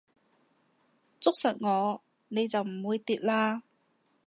捉實我你就唔會跌啦